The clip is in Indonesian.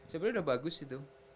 sebenernya udah bagus itu